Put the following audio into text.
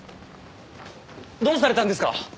どうされたんですか？